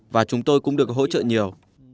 và chúng tôi cũng được hỗ trợ nhiều